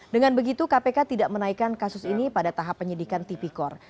dengan begitu kpk tidak menaikkan kasus ini pada tahap penyidikan tipikor